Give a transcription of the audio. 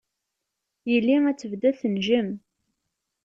Yelli ad tebded tenjem.